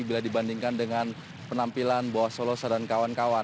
bila dibandingkan dengan penampilan boas solos dan kawan kawan